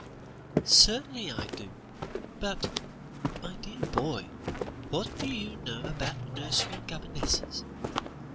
"Certainly, I do; but, my dear boy, what do you know about nursery governesses?"